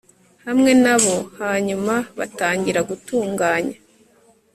hamwe nabo, hanyuma batangira gutunganya